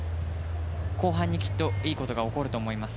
後半にいいことが起こると思います。